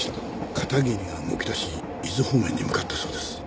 片桐が動きだし伊豆方面に向かったそうです。